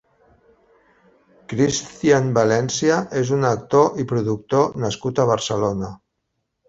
Cristian Valencia és un actor i productor nascut a Barcelona.